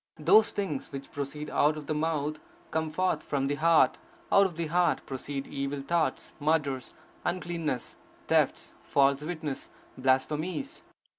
Those things which proceed out of the mouth come forth from the heart … out of the heart proceed evil thoughts, murders, uncleanness, thefts, false witness, blasphemies.